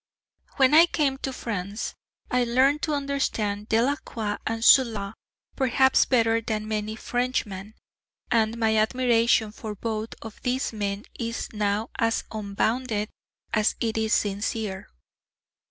When I came to France I learnt to understand Delacroix and Zola perhaps better than many a Frenchman. And my admiration for both of these men is now as unbounded as it is sincere.